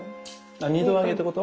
あ２度揚げってこと？